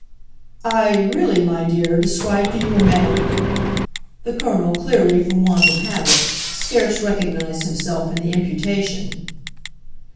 "I really, my dear, described to you a manner?" the Colonel, clearly, from want of habit, scarce recognised himself in the imputation.